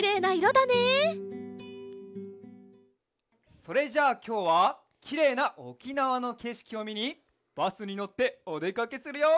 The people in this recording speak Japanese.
それじゃあきょうはきれいなおきなわのけしきをみにバスにのっておでかけするよ！